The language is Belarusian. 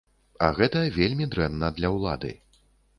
А гэта вельмі дрэнна для ўлады.